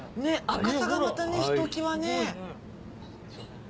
赤さがまたひときわね。